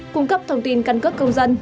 cung cấp thông tin cân cướp công dân